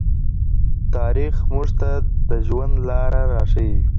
تاریخ موږ ته د ژوند لاره راښیي.